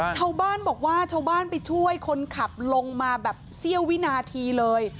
ชาวบ้านบอกว่าชาวบ้านไปช่วยคนขับลงมาแบบเสี้ยววินาทีเลย